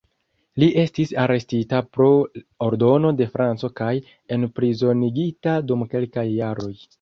Li estis arestita pro ordono de Franco kaj enprizonigita dum kelkaj jaroj.